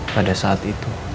pada saat itu